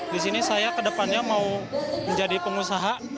disini saya ke depannya mau menjadi pengusaha